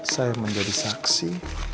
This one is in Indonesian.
saya menjadi saksi